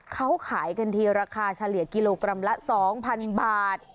เขาขายกันทีราคาเฉลี่ยกิโลกรัมละ๒๐๐๐บาท